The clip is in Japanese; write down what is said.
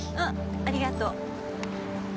ありがとう。